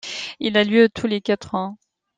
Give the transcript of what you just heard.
Il a lieu tous les quatre ans.